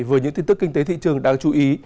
với những tin tức kinh tế thị trường đáng chú ý